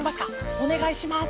おねがいします。